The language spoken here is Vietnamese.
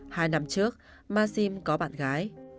hai năm trước maxim có bạn gái